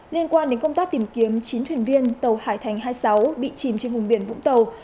liên quan đến công tác tìm kiếm chín thuyền viên tàu hải thành hai mươi sáu bị chìm trên vùng biển vũng tàu